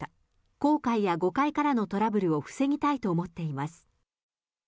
後悔や誤解からのトラブルを防ぎたいと思っています。